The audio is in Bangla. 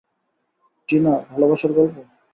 টিনা, ভালবাসার গল্প?